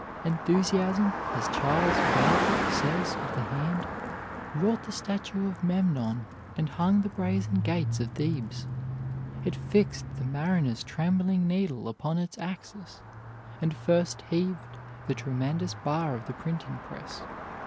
Enthusiasm, as Charles Bell says of the hand, wrought the statue of Memnon and hung the brazen gates of Thebes. It fixed the mariner's trembling needle upon its axis, and first heaved the tremendous bar of the printing press.